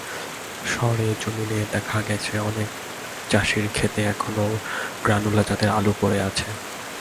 সরেজমিনে দেখা গেছে, অনেক চাষির খেতে এখনো গ্রানুলা জাতের আলু পড়ে আছে।